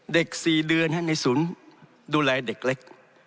๔เดือนในศูนย์ดูแลเด็กเล็ก